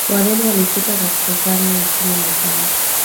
wareno walifika katika karne ya kumi na tano